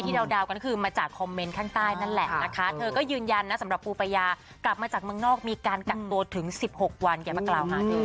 เดากันคือมาจากคอมเมนต์ข้างใต้นั่นแหละนะคะเธอก็ยืนยันนะสำหรับปูปายากลับมาจากเมืองนอกมีการกักตัวถึง๑๖วันอย่ามากล่าวหาเธอ